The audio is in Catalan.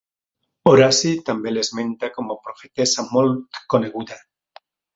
Horaci també l'esmenta com a profetessa molt coneguda.